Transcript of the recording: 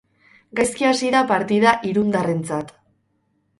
Gaizki hasi da partida irundarrentzat.